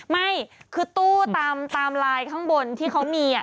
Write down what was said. ไม่คือตู้ตามลายข้างบนที่เขามี